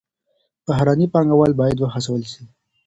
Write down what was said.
بهرني پانګوال بايد وهڅول سي.